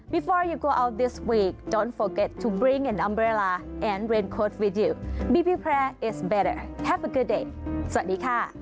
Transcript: โปรดติดตามตอนต่อไป